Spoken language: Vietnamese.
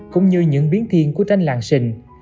cũng như những biến thiên của tranh làng xịn